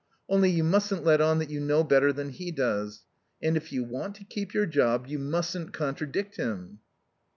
Only you mustn't let on that you know better than he does. And if you want to keep your job, you mustn't contradict him."